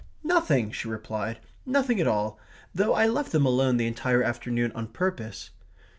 "Nothing!" she replied. "Nothing at all though I left them alone the entire afternoon on purpose."